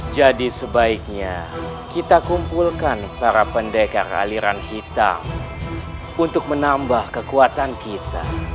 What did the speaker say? jadi sebaiknya kita kumpulkan para pendekar aliran hitam untuk menambah kekuatan kita